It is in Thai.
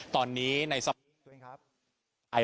ตอนนี้ในสะพาน